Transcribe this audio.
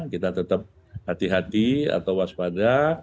kita tetap hati hati atau waspada